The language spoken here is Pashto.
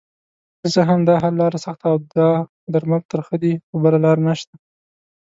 که څه هم داحل لاره سخته اودا درمل ترخه دي خو بله لاره نشته